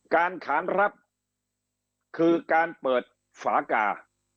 ขานรับคือการเปิดฝากา